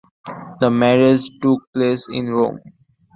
The marriage took place in Rome.